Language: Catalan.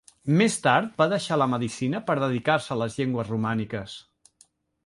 Més tard, va deixar la medicina per dedicar-se a les llengües romàniques.